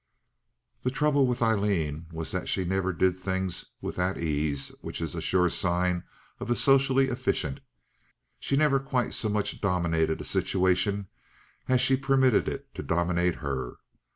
The trouble with Aileen was that she never did these things with that ease which is a sure sign of the socially efficient. She never quite so much dominated a situation as she permitted it to dominate her.